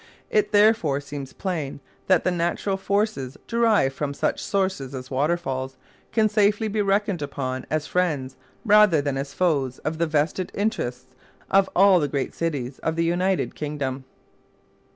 It therefore seems plain that the natural forces derived from such sources as waterfalls can safely be reckoned upon as friends rather than as foes of the vested interests of all the great cities of the United Kingdom.